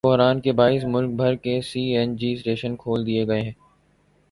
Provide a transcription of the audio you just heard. petrol بحران کے باعث ملک بھر کے سی این جی اسٹیشن کھول دیئے گئے